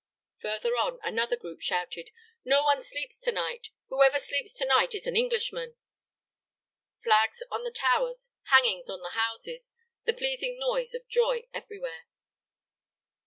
Further on, another group shouted, "No one sleeps to night; whoever sleeps to night is an Englishman!" Flags on the towers, hangings on the houses, the pleasing noise of joy everywhere.